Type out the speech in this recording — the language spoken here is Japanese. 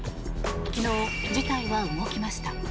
昨日、事態は動きました。